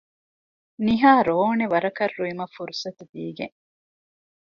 ނިހާ ރޯނެ ވަރަކަށް ރުއިމަށް ފުރުޞަތު ދީގެން